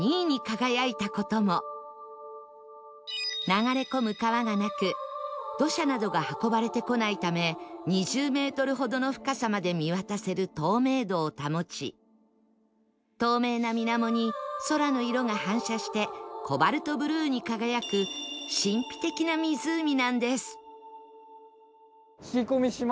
流れ込む川がなく土砂などが運ばれてこないため２０メートルほどの深さまで見渡せる透明度を保ち透明な水面に空の色が反射してコバルトブルーに輝く神秘的な湖なんです